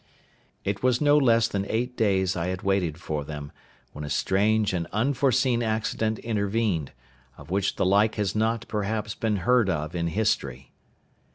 It was no less than eight days I had waited for them, when a strange and unforeseen accident intervened, of which the like has not, perhaps, been heard of in history.